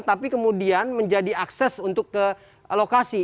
tapi kemudian menjadi akses untuk ke lokasi